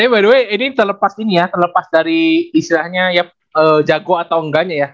by the way ini terlepas ini ya terlepas dari istilahnya ya jago atau enggaknya ya